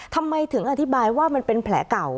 ทำไมถึงอธิบายว่ามันเป็นแผลเก่า